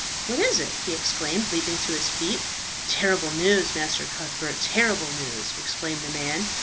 "What is it?" he exclaimed, leaping to his feet. "Terrible news, Master Cuthbert, terrible news!" exclaimed the man.